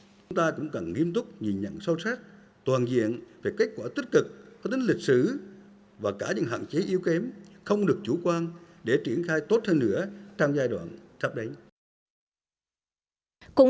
chúng ta cũng cần nghiêm túc nhìn nhận sâu sắc toàn diện về kết quả tích cực có tính lịch sử và cả những hạn chế yếu kém không được chủ quan để triển khai tốt hơn nữa trong giai đoạn sắp đến